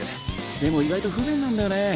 でも意外と不便なんだよね。